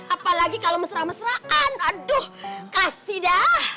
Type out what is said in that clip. apalagi kalau mesra mesraan aduh kasih dah